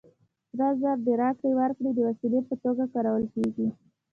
سره زر د راکړې ورکړې د وسیلې په توګه کارول کېږي